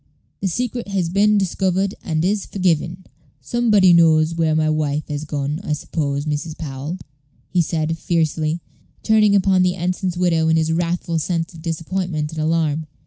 the secret has been discovered, and is forgiven." "Somebody knows where my wife has gone, I suppose, Mrs. Powell?" he said, fiercely, turning upon the ensign's widow in his wrathful sense of disappointment and alarm.